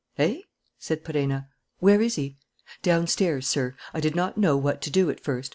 "Eh?" said Perenna. "Where is he?" "Downstairs, sir. I did not know what to do, at first